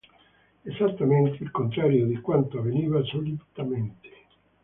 Esattamente il contrario di quanto avveniva solitamente.